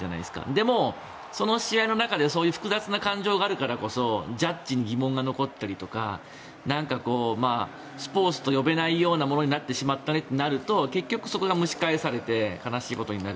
でもその試合の中で複雑な感情があるからこそジャッジに疑問が残ったりとかスポーツと呼べないようなものになってしまったねとなると結局、そこが蒸し返されて悲しいことになる。